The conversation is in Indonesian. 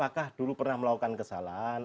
apakah dulu pernah melakukan kesalahan